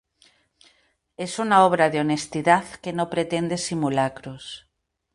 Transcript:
Es una obra de honestidad que no pretende simulacros.